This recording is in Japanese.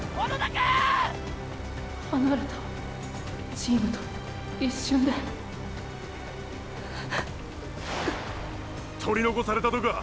チームと一瞬で取り残されたとか。